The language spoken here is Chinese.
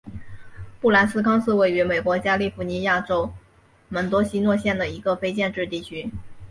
布兰斯康是位于美国加利福尼亚州门多西诺县的一个非建制地区。